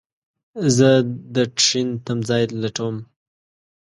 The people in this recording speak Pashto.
زه دټرين تم ځای لټوم